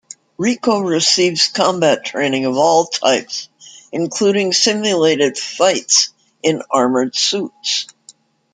Rico receives combat training of all types, including simulated fights in armored suits.